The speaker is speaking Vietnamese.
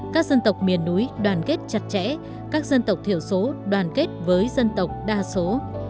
các dân tộc miền núi đoàn kết chặt chẽ các dân tộc thiểu số đoàn kết với dân tộc đa số